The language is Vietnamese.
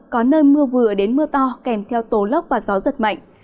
có nơi mưa vừa đến mưa to kèm theo tố lốc và gió giật mạnh